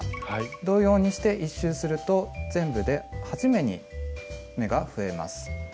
同様にして１周すると全部で８目に目が増えます。